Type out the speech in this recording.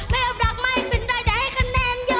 เบอร์รักไม่เป็นไรเดี๋ยวให้คะแนนเยอะ